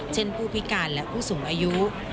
เช่นผู้พิการและผู้สูงอายุ